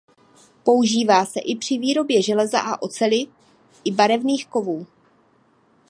Používá se i pří výrobě železa a oceli i barevných kovů.